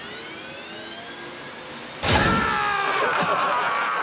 ああ！